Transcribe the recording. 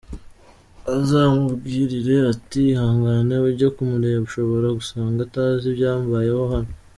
Azamumbwirire ati ‘ihangane ujye kumureba’ushobora gusanga atazi ibyambayeho hano.